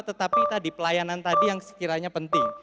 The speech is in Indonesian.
tetapi tadi pelayanan tadi yang sekiranya penting